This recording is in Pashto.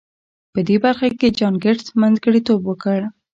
په دې برخه کې جان ګيټس منځګړيتوب وکړ.